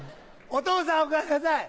お父さんおかえりなさい。